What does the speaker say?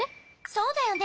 そうだよね。